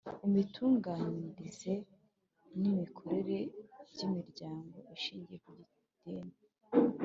imitunganyirize n’ imikorere by’ imiryango ishingiye ku idini